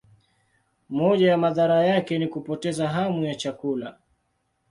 Moja ya madhara yake ni kupoteza hamu ya chakula.